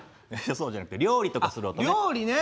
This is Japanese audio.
そうじゃなくて料理とかする音ね。